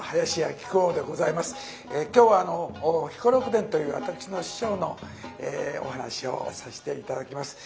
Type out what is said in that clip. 今日は「彦六伝」という私の師匠のお噺をさせて頂きます。